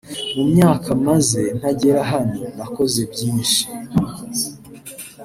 mu myaka maze ntagera hano nakoze byinshi